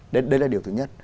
đấy là điều thứ nhất